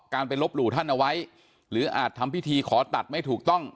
การไปลบหลู่ท่านเอาไว้หรืออาจทำพิธีขอตัดไม่ถูกต้อง